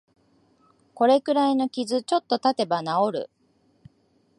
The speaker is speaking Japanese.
これくらいの傷、ちょっとたてば治る